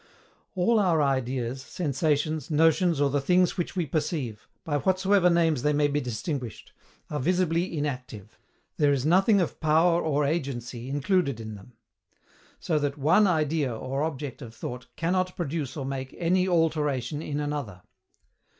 All our ideas, sensations, notions, or the things which we perceive, by whatsoever names they may be distinguished, are visibly inactive there is nothing of power or agency included in them. So that ONE IDEA or object of thought CANNOT PRODUCE or make ANY ALTERATION IN ANOTHER.